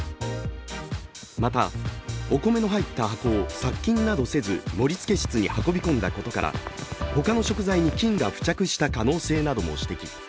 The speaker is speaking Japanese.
また、お米の入った箱を殺菌などせず盛りつけ室に運び込んだことからほかの食材に菌が付着した可能性なども指摘。